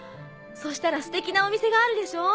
そしたら素敵なお店があるでしょ。